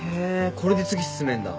これで次進めんだ。